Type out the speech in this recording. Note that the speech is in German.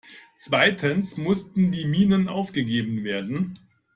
Zweitens mussten die Minen aufgegeben werden.